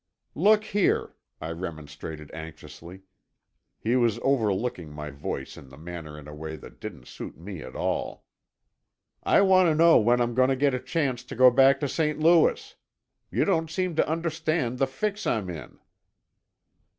"Look here," I remonstrated anxiously; he was overlooking my voice in the matter in a way that didn't suit me at all. "I want to know when I'm going to get a chance to go back to St. Louis? You don't seem to understand the fix I'm in."